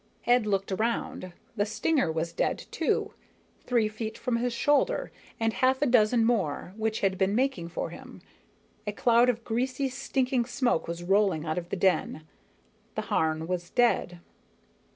Ed looked around. The stinger was dead too, three feet from his shoulder, and half a dozen more which had been making for him. A cloud of greasy, stinking smoke was rolling out of the den. The Harn was dead.